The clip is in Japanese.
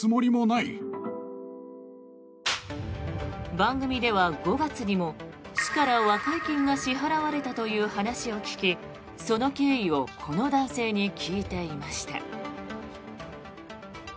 番組では５月にも市から、和解金が支払われたという話を聞きその経緯をこの男性に聞いていました。